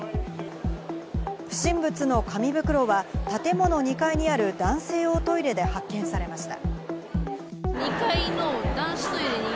不審物の紙袋は建物２階にある男性用トイレで発見されました。